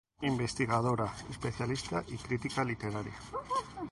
Investigadora, especialista y crítica literaria.